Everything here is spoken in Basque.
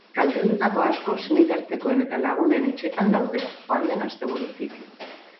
Kaltetutako asko senitartekoen eta lagunen etxeetan daude, joan den asteburutik.